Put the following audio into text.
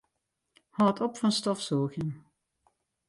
Hâld op fan stofsûgjen.